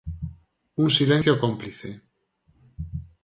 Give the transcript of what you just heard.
Un silencio cómplice.